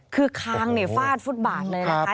คือคางฟาดฟุตบาทเลยนะคะ